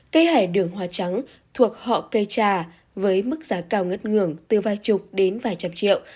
cây hải đường hoa trắng thuộc họ cây trà với mức giá cao ngất ngường từ vài chục đến vài trăm triệu